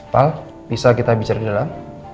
pak bisa kita bicara di dalam